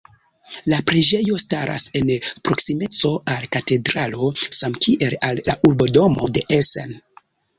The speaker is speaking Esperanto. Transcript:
La preĝejo staras en proksimeco al la katedralo samkiel al la urbodomo de Essen.